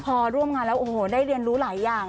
พอร่วมงานแล้วโอ้โหได้เรียนรู้หลายอย่าง